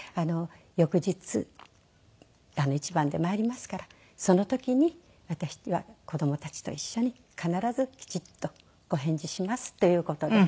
翌日一番で参りますからその時に私は子供たちと一緒に必ずきちっとご返事しますという事で。